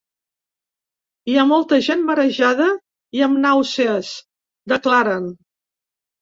Hi ha molta gent marejada i amb nàusees, declaren.